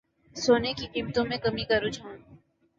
سونے کی قیمتوں میں کمی کا رجحان